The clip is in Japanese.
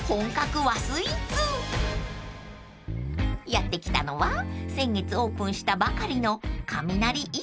［やって来たのは先月オープンしたばかりの］